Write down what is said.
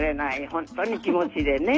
本当に気持ちでね。